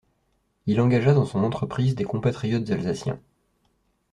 Il engagea dans son entreprise des compatriotes alsaciens.